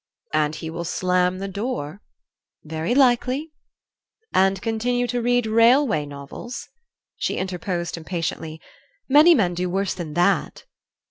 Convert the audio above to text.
"And he will slam the door " "Very likely." "And continue to read railway novels " She interposed, impatiently: "Many men do worse than that."